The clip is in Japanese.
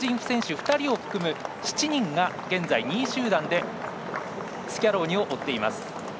２人を含む７人が現在、２位集団でスキャローニを追っています。